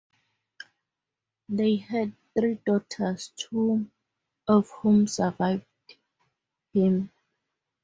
They had three daughters, two of whom survived him.